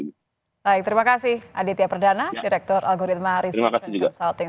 baik terima kasih aditya perdana direktur algoritma research and consulting